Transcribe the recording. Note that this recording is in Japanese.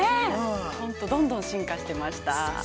◆本当どんどん進化してました。